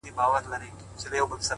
• که ترخه شراب ګنا ده او حرام دي..